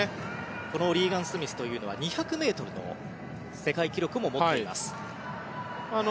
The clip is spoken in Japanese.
このリーガン・スミスというのは２００ｍの世界記録も持っています。